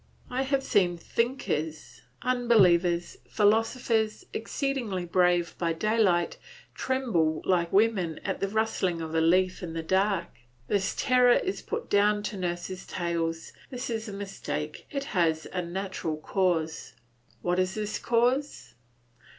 I have seen thinkers, unbelievers, philosophers, exceedingly brave by daylight, tremble like women at the rustling of a leaf in the dark. This terror is put down to nurses' tales; this is a mistake; it has a natural cause. What is this cause?